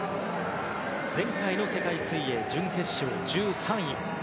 前回の世界水泳は準決勝１３位。